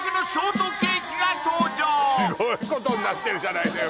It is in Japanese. すごいことになってるじゃないのよ